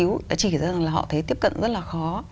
đã chỉ ra rằng là họ thấy tiếp cận rất là khó